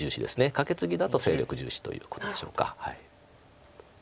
カケツギだと勢力重視ということでしょうか。